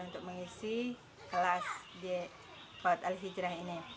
untuk mengisi kelas di kota alih hijrah ini